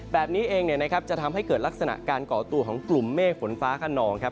แบบนี้เองเนี่ยนะครับจะทำให้เกิดลักษณะการก่อตัวของกลุ่มเมฆฝนฟ้าขนองครับ